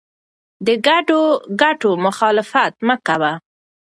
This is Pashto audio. د ګډو ګټو مخالفت مه کوه.